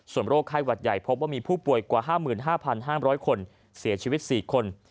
โรคไข้หวัดใหญ่พบว่ามีผู้ป่วยกว่า๕๕๕๐๐คนเสียชีวิต๔คน